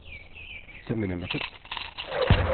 Tettamnemt-t?